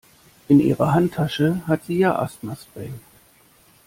In ihrer Handtasche hat sie ihr Asthmaspray.